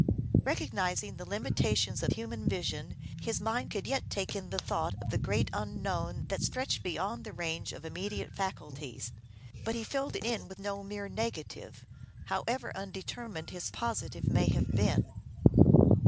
Recognizing the limitations of human vision, his mind could yet take in the thought of the great unknown that stretched beyond the range of immediate faculties, but he filled it in with no mere negative, however undetermined his positive may have been.